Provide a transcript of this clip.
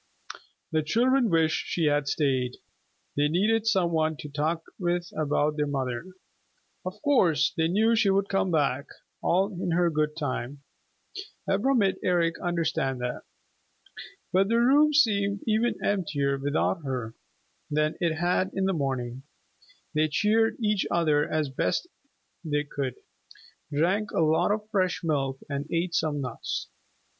The children wished she had stayed. They needed some one to talk with about their mother. Of course they knew she would come back, all in her good time. Ivra made Eric understand that. But the room seemed even emptier without her than it had in the morning. They cheered each other as best they could, drank a lot of the fresh milk and ate some nuts.